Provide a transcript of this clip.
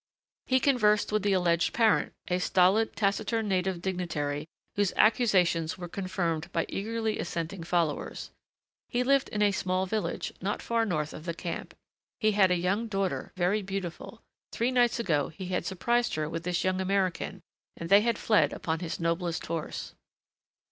He conversed with the alleged parent, a stolid, taciturn native dignitary whose accusations were confirmed by eagerly assenting followers. He lived in a small village, not far north of the camp. He had a young daughter, very beautiful. Three nights ago he had surprised her with this young American and they had fled upon his noblest horse.